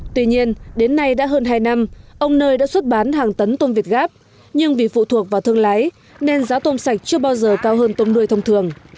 tuy nhiên đến nay đã hơn hai năm ông nơi đã xuất bán hàng tấn tôm việt gáp nhưng vì phụ thuộc vào thương lái nên giá tôm sạch chưa bao giờ cao hơn tôm nuôi thông thường